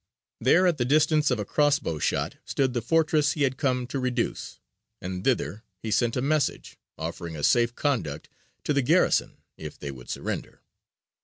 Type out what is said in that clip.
There, at the distance of a crossbow shot, stood the fortress he had come to reduce, and thither he sent a message offering a safe conduct to the garrison if they would surrender.